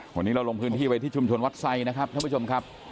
วันนี้เราลงพื้นที่ไปที่ชุมชนวัดไซค์นะครับท่านผู้ชมครับ